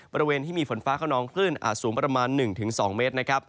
บริเวณที่มีฝนฟ้าขนองคลื่นอาจสูงประมาณ๑๒เมตรนะครับ